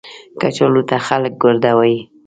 کچالو ته خلک ګرده وايي